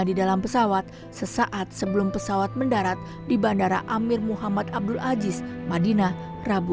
di dalam pesawat sesaat sebelum pesawat mendarat di bandara amir muhammad abdul aziz madinah rabu